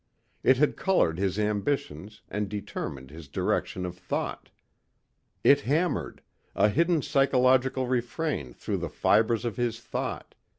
It had colored his ambitions and determined his direction of thought. It hammered a hidden psychological refrain through the fibers of his thought....